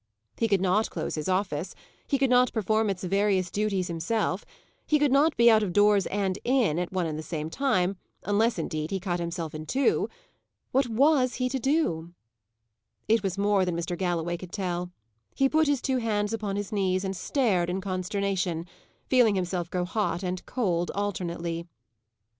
He could not close his office; he could not perform its various duties himself; he could not be out of doors and in, at one and the same time, unless, indeed, he cut himself in two! What was he to do? It was more than Mr. Galloway could tell. He put his two hands upon his knees, and stared in consternation, feeling himself grow hot and cold alternately.